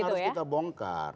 ini yang harus kita bongkar